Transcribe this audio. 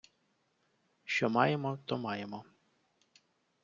Що маємо, то маємо.